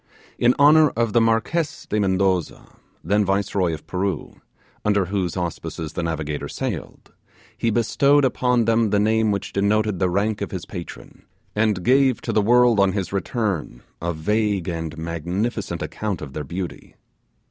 In honour of the Marquess de Mendoza, then viceroy of Peru under whose auspices the navigator sailed he bestowed upon them the name which denoted the rank of his patron, and gave to the world on his return a vague and magnificent account of their beauty.